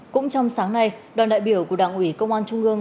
cũng trong sáng nay đoàn đại biểu của đảng ủy công an trung ương